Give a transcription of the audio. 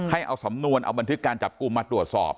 ให้เอาสำนวนเอาบันทึกการจับกลุ่มมาตรวจสอบ